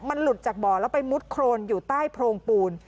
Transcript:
มันหลุดจากบ่อแล้วไปมุดโครนอยู่ใต้โพรงปูน